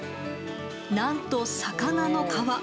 なんと魚の皮。